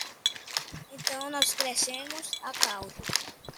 Então nós crescemos a cauda